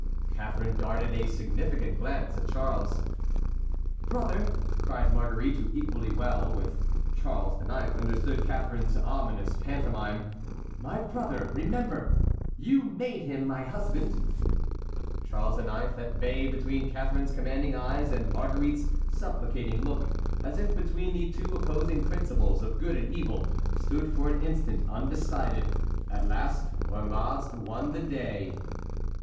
Catharine darted a significant glance at Charles. "Brother," cried Marguerite, who equally well with Charles IX. understood Catharine's ominous pantomime, "my brother, remember! you made him my husband!" Charles IX., at bay between Catharine's commanding eyes and Marguerite's supplicating look, as if between the two opposing principles of good and evil, stood for an instant undecided; at last Ormazd won the day.